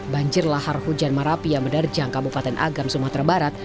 banjir lahar hujan merapi yang menerjang kabupaten agam sumatera barat